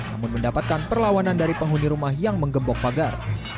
namun mendapatkan perlawanan dari penghuni rumah yang menggembok pagar